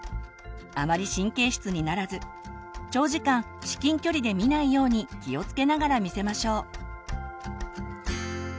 あまり神経質にならず長時間至近距離で見ないように気をつけながら見せましょう。